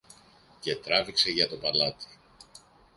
και τράβηξε για το παλάτι.